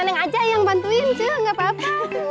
nenek aja yang bantuin cediyo gak apa apa